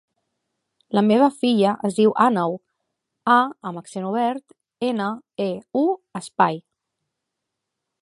La meva filla es diu Àneu : a amb accent obert, ena, e, u, espai.